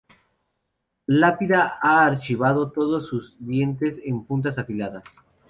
Lápida ha archivado todos sus dientes en puntas afiladas.